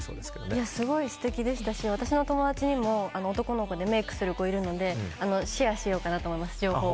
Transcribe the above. すごい素敵でしたし私の友達にも男の子でメイクする子がいるのでシェアしようと思います。